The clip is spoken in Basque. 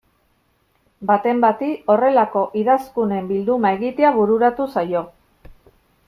Baten bati horrelako idazkunen bilduma egitea bururatu zaio.